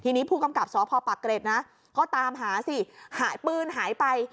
ทีนี้ผู้กำกับสพปะเกร็ดนะก็ตามหาสิหายปืนหายไป